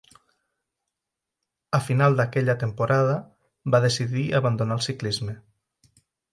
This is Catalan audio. A final d'aquella temporada va decidir abandonar el ciclisme.